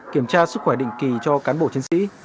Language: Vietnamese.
kiểm tra sức khỏe định kỳ cho cán bộ chiến sĩ